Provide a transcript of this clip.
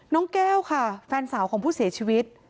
น้องแก้วค่ะแฟนสาวของผู้เสียชีวิต